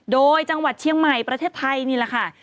โดยจังหวัดเชียงใหม่ประเทศไทยนี่แหละค่ะ